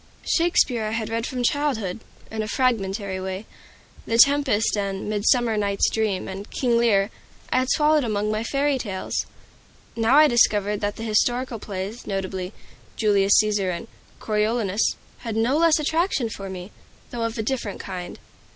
Shakespeare I had read from childhood, in a fragmentary way. "The Tempest," and "Midsummer Night's Dream," and "King Lear," I had swallowed among my fairy tales. Now I discovered that the historical plays, notably, "Julius Caesar" and "Coriolanus," had no less attraction for me, though of a different kind.